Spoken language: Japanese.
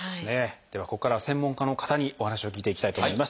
ではここからは専門家の方にお話を聞いていきたいと思います。